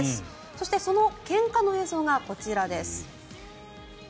そして、そのけんかの映像がこちらです。